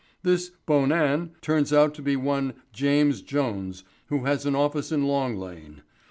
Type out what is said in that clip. This 'Bonan' turns out to be one James Jones who has an office in Long Lane.